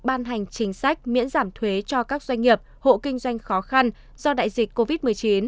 ban hành chính sách miễn giảm thuế cho các doanh nghiệp hộ kinh doanh khó khăn do đại dịch covid một mươi chín